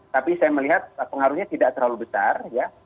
tapi saya melihat pengaruhnya tidak terlalu besar ya